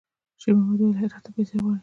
شېرمحمد وويل: «هرات ته پیسې غواړي.»